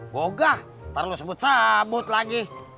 kogah ntar lu sebut sebut lagi